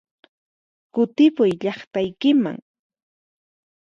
Kutipuy llaqtaykiman!